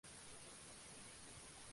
Se encuentra en el Asia y Nueva Guinea.